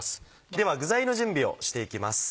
では具材の準備をしていきます。